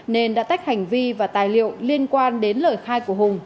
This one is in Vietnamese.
nên đã tách hành vi và tài liệu liên quan đến lời khai của hùng